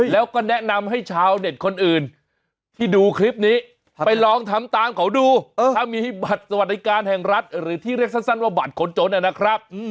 แล้วก็แนะนำให้ชาวเน็ตคนอื่นที่ดูคลิปนี้ไปลองทำตามเขาดูถ้ามีบัตรสวัสดิการแห่งรัฐหรือที่เรียกสั้นว่าบัตรคนจนนะครับ